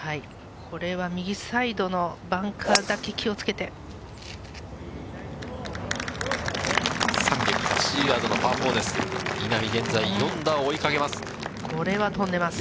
これは右サイドのバンカーだ３８０ヤードのパー４です。